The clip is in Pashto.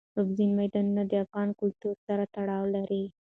اوبزین معدنونه د افغان کلتور سره تړاو لري.